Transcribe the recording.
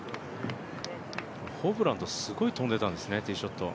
ホブランド、すごい飛んでたんですね、ティーショット。